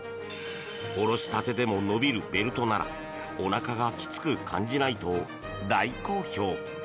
おろしたてでも伸びるベルトならおなかがきつく感じないと大好評。